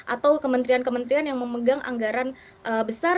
atau kementerian kementerian yang memegang anggaran besar